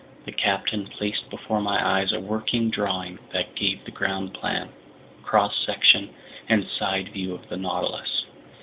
The captain placed before my eyes a working drawing that gave the ground plan, cross section, and side view of the Nautilus.